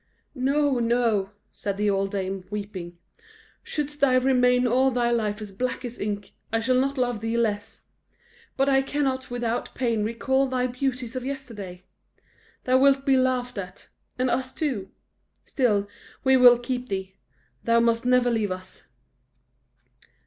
"No, no," said the old dame, weeping; "shouldst thou remain all thy life as black as ink, I shall not love thee less; but I cannot without pain recall thy beauties of yesterday. Thou wilt be laughed at; and us too. Still, we will keep thee thou must never leave us."